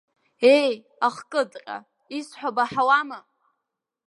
Еи, ахкыдҟьа, исҳәо баҳауама!